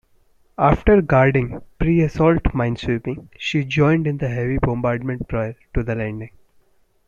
After guarding preassault minesweeping, she joined in the heavy bombardment prior to the landing.